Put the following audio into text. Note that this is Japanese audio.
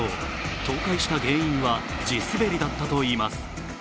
倒壊した原因は地滑りだったといいます。